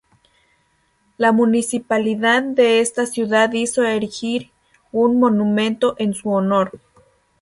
La municipalidad de esta ciudad hizo erigir un monumento en su honor.